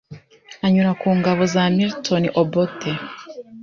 anyura ku ngabo za Milton Obote